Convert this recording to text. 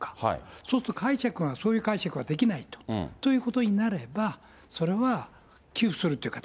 そうすると、解釈がそういう解釈はできないということになれば、それは寄付するって形。